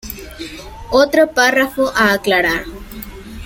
Otro párrafo a aclarar.